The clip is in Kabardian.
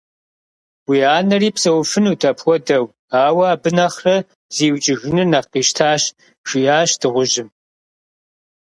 Уи анэри псэуфынут апхуэдэу, ауэ абы нэхърэ зиукӀыжыныр нэхъ къищтащ, - жиӏащ дыгъужьым.